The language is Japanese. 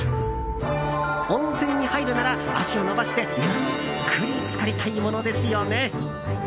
温泉に入るなら、足を伸ばしてゆっくりつかりたいものですよね。